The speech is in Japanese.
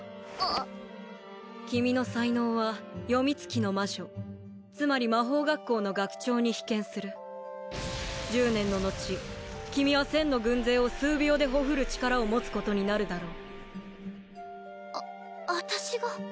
あ君の才能は詠月の魔女つまり魔法学校の学長に比肩する１０年ののち君は１０００の軍勢を数秒でほふる力を持つことになるだろうあ私が？